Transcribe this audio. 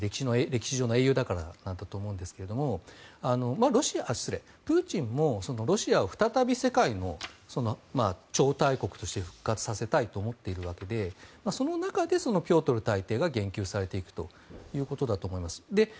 歴史上の英雄だからだったと思いますがプーチンもロシアを再び世界の超大国として復活させたいと思っているわけでその中でピョートル大帝が言及されていくということだと思います。